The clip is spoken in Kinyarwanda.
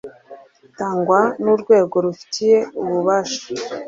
itangwa n urwego rubifitiye ububasha